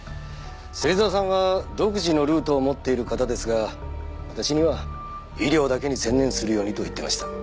芹沢さんは独自のルートを持っている方ですが私には医療だけに専念するようにと言っていました。